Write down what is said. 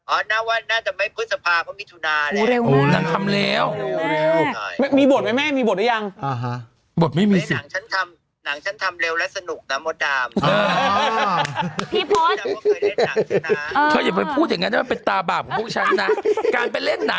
ออนหน้าวันน่าจะไม่พึ่งสภาพเขามีจุณาแหละ